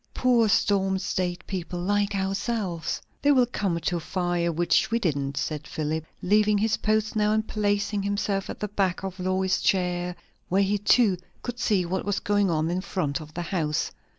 Poor storm stayed people, like ourselves." "They will come to a fire, which we didn't," said Philip, leaving his post now and placing himself at the back of Lois's chair, where he too could see what was going on in front of the house.